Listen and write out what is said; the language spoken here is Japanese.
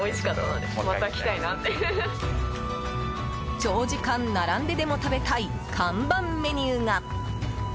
長時間並んででも食べたい看板メニューが。